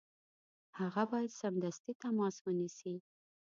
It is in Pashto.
هغه باید سمدستي تماس ونیسي.